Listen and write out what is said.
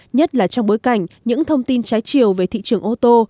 nhất là trong bối cảnh những thông tin trái chiều về thị trường ô tô